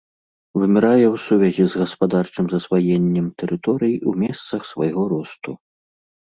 Вымірае ў сувязі з гаспадарчым засваеннем тэрыторый у месцах свайго росту.